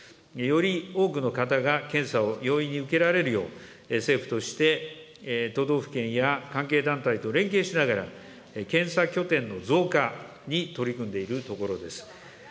より多くの方が検査を容易に受けられるよう、政府として都道府県や関係団体と連携しながら、検査拠点の増加に取り組んでいるところです。